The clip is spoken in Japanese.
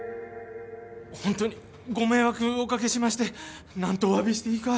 ほんとにごめいわくおかけしましてなんとおわびしていいか。